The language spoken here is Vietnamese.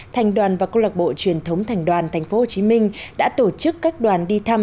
thành đoàn và câu lạc bộ truyền thống thành đoàn tp hcm đã tổ chức các đoàn đi thăm